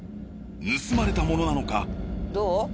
盗まれたものなのか？